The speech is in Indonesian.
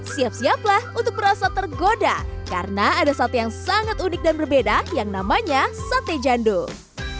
siap siaplah untuk merasa tergoda karena ada sate yang sangat unik dan berbeda yang namanya sate jandung